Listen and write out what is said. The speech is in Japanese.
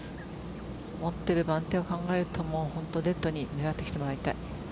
持ってる番手を考えるとデッドに狙ってきてもらいたい。